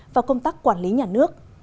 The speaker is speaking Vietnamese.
và công tác quản lý nhà nước